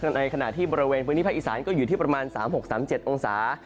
ในขณะที่บริเวณพื้นที่ภาคอีสานก็อยู่ที่ประมาณ๓๖๓๗องศา